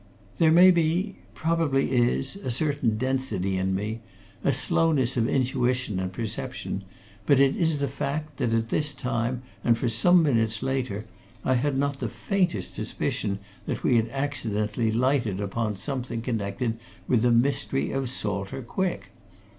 There may be probably is a certain density in me, a slowness of intuition and perception, but it is the fact that at this time and for some minutes later, I had not the faintest suspicion that we had accidentally lighted upon something connected with the mystery of Salter Quick.